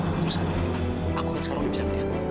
terus aku kan sekarang udah bisa ke dia